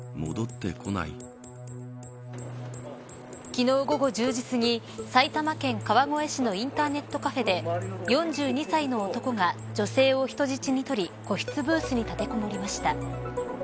昨日午後１０時すぎ埼玉県川越市のインターネットカフェで４２歳の男が女性を人質に取り個室ブースに立てこもりました。